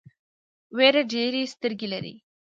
وېره ډېرې سترګې لري.